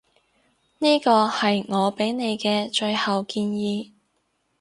呢個係我畀你嘅最後建議